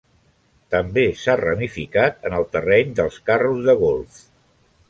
També s'ha ramificat en el terreny dels carros de golf.